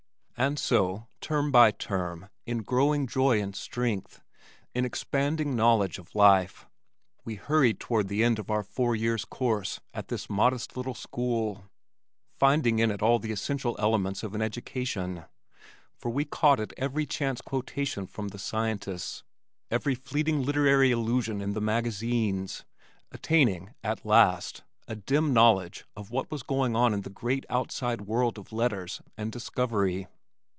And so, term by term, in growing joy and strength, in expanding knowledge of life, we hurried toward the end of our four years' course at this modest little school, finding in it all the essential elements of an education, for we caught at every chance quotation from the scientists, every fleeting literary allusion in the magazines, attaining, at last, a dim knowledge of what was going on in the great outside world of letters and discovery.